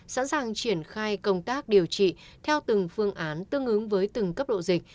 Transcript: sẵn sàng triển khai công tác điều trị theo từng phương án tương ứng với từng cấp độ dịch